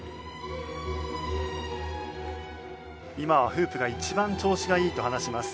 今はフープが一番調子がいいと話します。